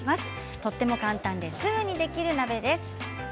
とても簡単ですぐにできる鍋です。